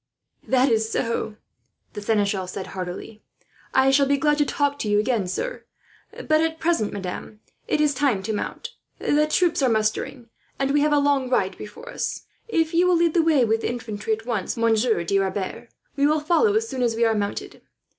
"That is so," the seneschal said heartily. "I shall be glad to talk to you again, sir; but at present, madame, it is time to mount. The troops are mustering, and we have a long ride before us. "If you will lead the way with the infantry at once, Monsieur de Rebers, we will follow as soon as we are mounted.